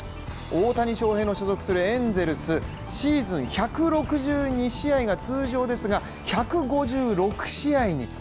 大谷翔平の所属するエンゼルス、シーズン１６２試合が通常ですが１５６試合に。